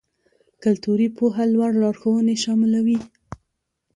کلتوري پوهه لوړ لارښوونې شاملوي.